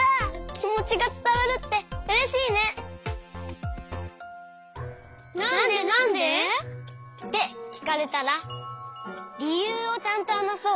きもちがつたわるってうれしいね！ってきかれたらりゆうをちゃんとはなそう。